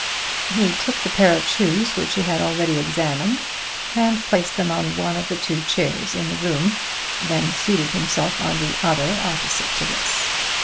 He took the pair of shoes which he had already examined, and placed them on one of the two chairs in the room, then seated himself on the other opposite to this.